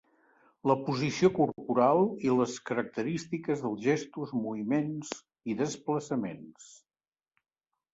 La posició corporal i les característiques dels gestos, moviments i desplaçaments.